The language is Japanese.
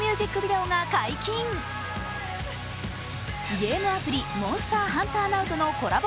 ゲームアプリ「モンスターハンターＮｏｗ」とのコラボ